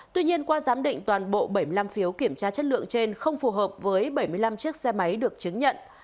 tuy nhiên qua giám định toàn bộ bảy mươi năm phiếu kiểm tra chất lượng trên không phù hợp với bảy mươi năm chiếc xe máy được chứng nhận